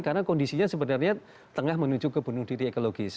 karena kondisinya sebenarnya tengah menuju ke bunuh diri ekologis